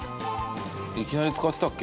いきなり使ってたっけ？